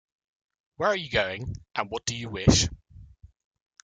Where are you going, and what do you wish?